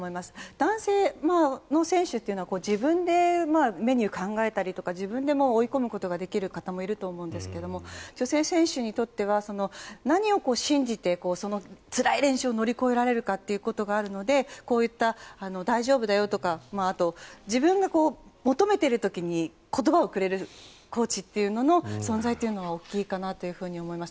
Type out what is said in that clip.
男性の選手というのは自分でメニューを考えたりとか自分で追い込むことができる方もいると思うんですけど女性選手にとっては何を信じてそのつらい練習を乗り越えられるかということがあるのでこういった大丈夫だよとか自分が求めている時に言葉をくれるコーチというのの存在は大きいかなと思います。